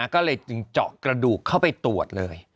ก็เลยจึงเจาะกระดูกเข้าไปตรวจเลย